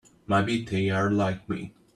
Maybe they're like me.